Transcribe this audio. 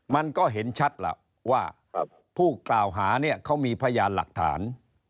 มันก็เห็นชัดล่ะว่าผู้กล่าวหาเนี่ยเขามีพยานหลักฐาน